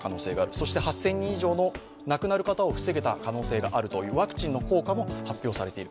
そして８０００人以上の亡くなる方を防げた可能性があるというワクチンの効果も発表されている。